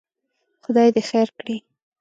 خدای دې خیر کړي.